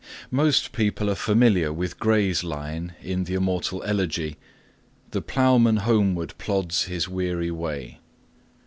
Most people are familiar with Gray's line in the immortal Elegy "The ploughman homeward plods his weary way."